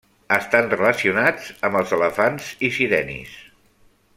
Estan relacionats amb els elefants i sirenis.